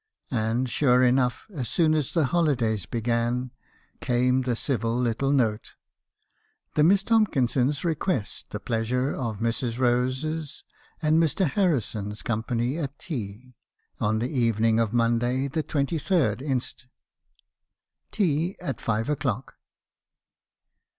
And , sure enough, as soon as the holidays began , came the civil little note :" 'The Misses Tomkinson request the pleasure of Mrs. Rose's and Mr. Harrison's company at tea, on the evening of Monday, the 23rd inst. Tea at five o'clock."